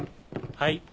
はい。